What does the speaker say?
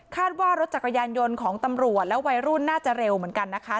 ว่ารถจักรยานยนต์ของตำรวจและวัยรุ่นน่าจะเร็วเหมือนกันนะคะ